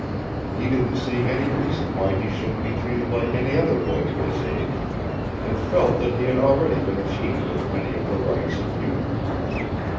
He didn't see any reason why he shouldn't be treated like any other boy of his age, and felt that he had already been cheated of many of the rights of youth.